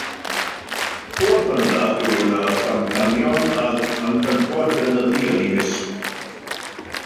Fodd bynnag, fe wnaeth amcanion ac anghydfod gynyddu yn eu mysg.